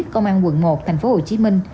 công an quận một tp hcm